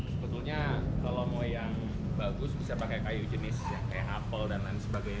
sebetulnya kalau mau yang bagus bisa pakai kayu jenis kayak apel dan lain sebagainya